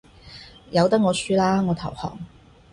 由得我輸啦，我投降